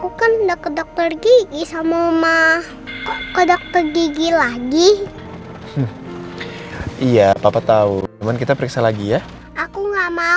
udah sampe yuk turun